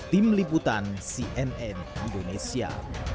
tim liputan cnn indonesia